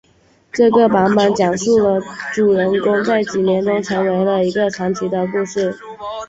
这个版本讲述了主人公在几年中成为了一个传奇的故事。